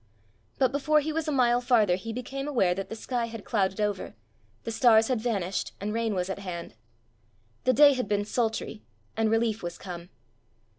But before he was a mile farther he became aware that the sky had clouded over, the stars had vanished, and rain was at hand. The day had been sultry, and relief was come.